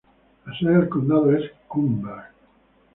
La sede del condado es Cuthbert.